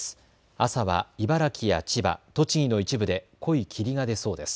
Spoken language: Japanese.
朝は茨城や千葉、栃木の一部で濃い霧が出そうです。